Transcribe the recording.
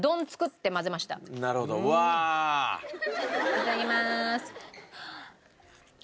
いただきまーす。